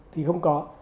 thì không có